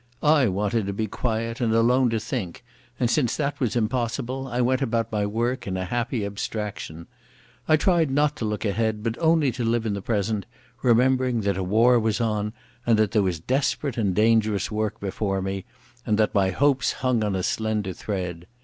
I wanted to be quiet and alone to think, and since that was impossible I went about my work in a happy abstraction. I tried not to look ahead, but only to live in the present, remembering that a war was on, and that there was desperate and dangerous business before me, and that my hopes hung on a slender thread.